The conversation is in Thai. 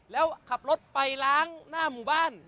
แล้วขับรถไปล้างหน้าหมู่บ้าน